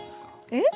えっ？